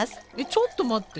ちょっと待って。